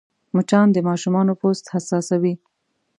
مچان د ماشومانو پوست حساسوې